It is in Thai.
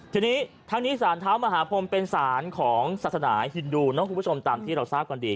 ทีนี้ทั้งนี้สารท้าวมหาพรมเป็นศาลของศาสนาฮินดูตามที่เราทราบก่อนดี